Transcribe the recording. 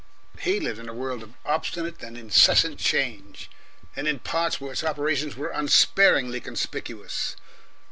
He lived in a world of obstinate and incessant change, and in parts where its operations were unsparingly conspicuous.